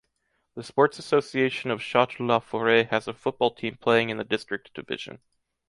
The Sports Association of Châtres-la-Forêt has a football team playing in the district division.